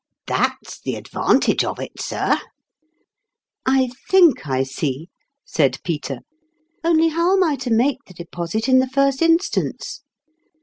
That's the advantage of it, sir !"" I think I see," said Peter ;" only how am I to make the deposit in the first instance